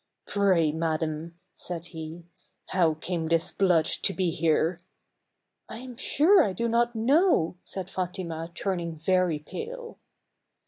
" Pray, madam," said he, "how came this blood to be here?" " I am sure I do not know," said Fatima, turning very pale.